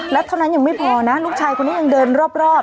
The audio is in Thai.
แล้วเท่านั้นยังไม่พอนะลูกชายคนนี้ยังเดินรอบ